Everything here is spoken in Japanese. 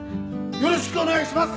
よろしくお願いします！